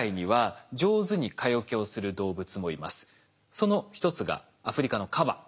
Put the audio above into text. その一つがアフリカのカバ。